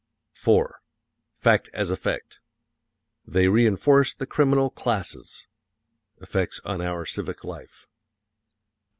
IV. FACT AS EFFECT: They reënforce the criminal classes. (Effects on our civic life.)